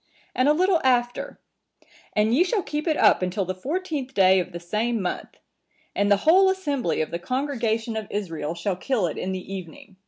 And a little after,(954) 'And ye shall keep it up until the fourteenth day of the same month; and the whole assembly of the congregation of Israel shall kill it in the evening.